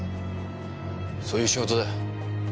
そういう仕事だ。